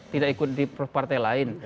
tidak ikut di partai lain